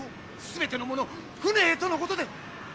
全ての者船へとのことで。